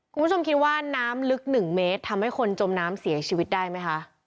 คุณผู้ชมคิดว่าน้ำลึก๑เมตรทำให้คนจมน้ำเสียชีวิตได้ไหมคะ